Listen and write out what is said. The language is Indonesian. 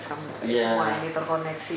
semua ini terkoneksi